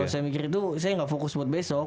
saya mikir itu saya nggak fokus buat besok